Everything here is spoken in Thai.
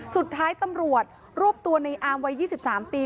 สุดท้ายตำรวจรวบตัวในอามวัย๒๓ปี